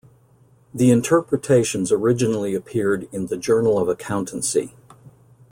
The Interpretations originally appeared in the "Journal of Accountancy".